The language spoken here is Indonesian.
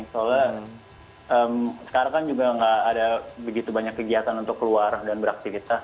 soalnya sekarang kan juga nggak ada begitu banyak kegiatan untuk keluar dan beraktivitas